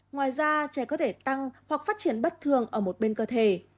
ngoài ra trẻ có thể tăng hoặc phát triển bất thường ở một bên cơ thể